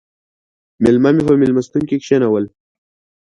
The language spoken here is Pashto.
مېلما مې په مېلمستون کې کښېناولی دی